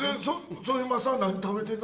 それ何食べてんの？